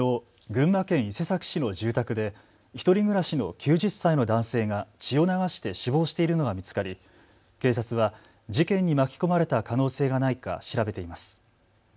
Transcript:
群馬県伊勢崎市の住宅で１人暮らしの９０歳の男性が血を流して死亡しているのが見つかり警察は事件に巻き込まれた可能性がないか調べています。